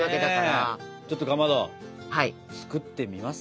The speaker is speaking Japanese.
ちょっとかまど作ってみますか？